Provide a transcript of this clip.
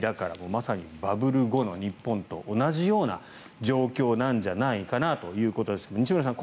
まさにバブル後の日本と同じような状況じゃないかなということですが西村さん